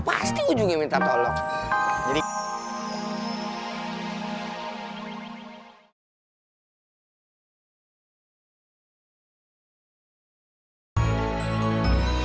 pasti ujungnya minta tolong